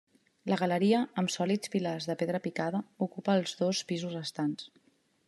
La galeria, amb sòlids pilars de pedra picada, ocupa els dos pisos restants.